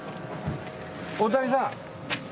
大谷さん。